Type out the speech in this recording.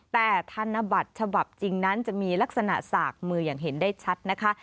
แต่ธนบัตรฉบับจริงนั้นจะมีลักษณะสากมืออย่างเห็นได้ชัดนะคะ